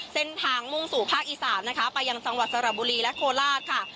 เส้นทางมุ่งสู่ภาคอีสานนะคะไปยังจังหวัดสระบุรีและโคลาสค่ะ